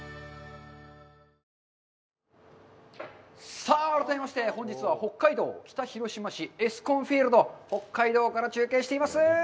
さあ、改めまして、本日は北海道北広島市、エスコンフィールドＨＯＫＫＡＩＤＯから中継しています。